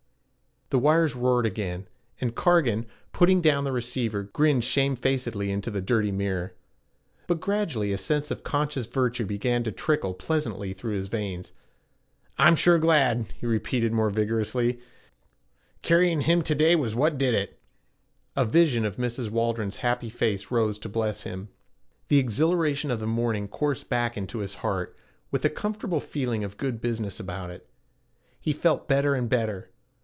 The wires roared again, and Cargan, putting down the receiver grinned shamefacedly into the dirty mirror. But gradually a sense of conscious virtue began to trickle pleasantly through his veins. 'I'm sure glad,' he repeated more vigorously; 'carryin' him to day was what did it.' A vision of Mrs. Waldron's happy face rose to bless him; the exhilaration of the morning coursed back into his heart, with a comfortable feeling of good business about it. He felt better and better.